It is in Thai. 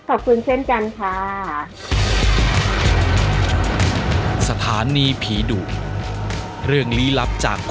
ขอบคุณเช่นกันค่ะ